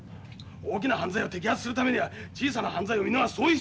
大きな犯罪を摘発するためには小さな犯罪を見逃す。